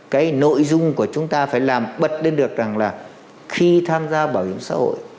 cái nội dung của chúng ta phải làm bật lên được rằng là khi tham gia bảo hiểm xã hội